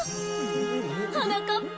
はなかっぱ。